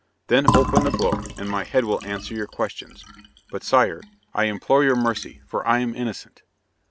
Then open the book, and my head will answer your questions. But, sire, I implore your mercy, for I am innocent."